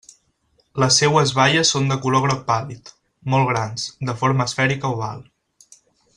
Les seues baies són de color groc pàl·lid, molt grans, de forma esfèrica oval.